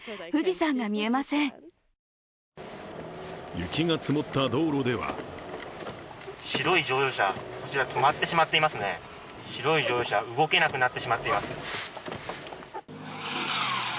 雪が積もった道路では白い乗用車、止まってしまっていますね、動けなくなってしまっています。